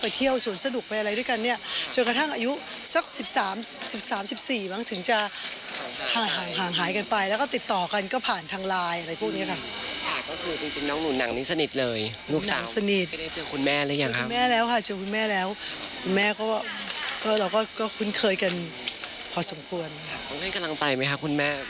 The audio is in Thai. ต้องให้กำลังใจไหมค่ะคุณแม่